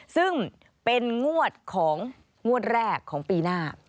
ซึ่งเป็นงวดของงวดแรกของปีหน้า